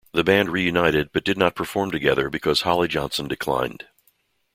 The band reunited but did not perform together because Holly Johnson declined.